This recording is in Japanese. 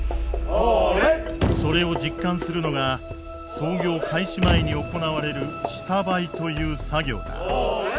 それを実感するのが操業開始前に行われる下灰という作業だ。